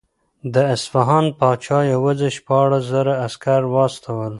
د اصفهان پاچا یوازې شپاړس زره عسکر واستول.